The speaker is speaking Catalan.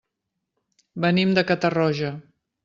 Venim de Catarroja.